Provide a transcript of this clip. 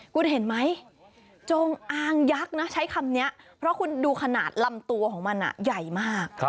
คุณเห็นไหมจงอางยักษ์นะใช้คำนี้เพราะคุณดูขนาดลำตัวของมันใหญ่มาก